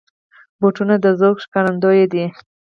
بوټونه د ذوق ښکارندوی دي.